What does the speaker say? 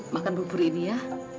makan bubur ini ya